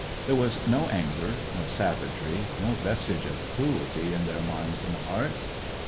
There was no anger, no savagery, no vestige of cruelty in their minds and hearts.